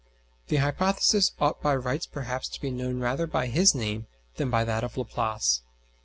The hypothesis ought by rights perhaps to be known rather by his name than by that of Laplace.